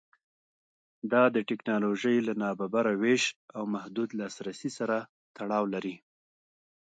دا د ټکنالوژۍ له نابرابره وېش او محدود لاسرسي سره تړاو لري.